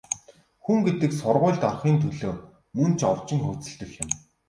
Хүн гэдэг сургуульд орохын төлөө мөн ч овжин хөөцөлдөх юм.